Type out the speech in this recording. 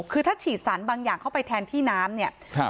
คือถ้าฉีดสารบางอย่างเข้าไปแทนที่น้ำเนี่ย